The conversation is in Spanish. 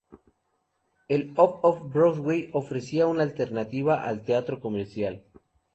El Off-off Broadway ofrecía una alternativa al teatro comercial.